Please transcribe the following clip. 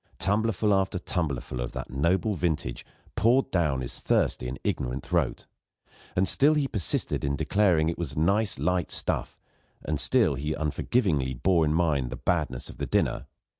Tumbler full after tumbler full of that noble vintage poured down his thirsty and ignorant throat; and still he persisted in declaring that it was nice light stuff, and still he unforgivingly bore in mind the badness of the dinner.